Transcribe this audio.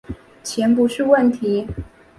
钱不是问题